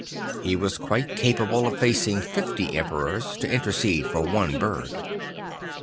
He was quite capable of facing fifty emperors to intercede for one bird.